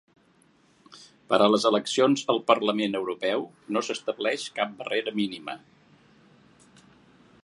Per a les eleccions al Parlament Europeu no s'estableix cap barrera mínima.